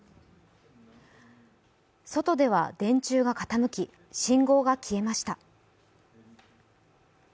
外では電柱が傾き信号が消えました。